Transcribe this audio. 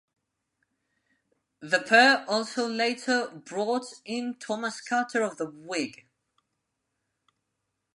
The pair also later brought in Thomas Carter of the "Whig".